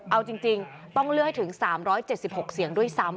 เอาจริงต้องเลือกให้ถึง๓๗๖เสียงด้วยซ้ำ